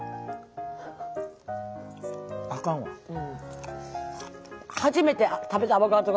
あかんわ。